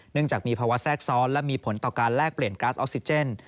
จากมีภาวะแทรกซ้อนและมีผลต่อการแลกเปลี่ยนก๊าซออกซิเจน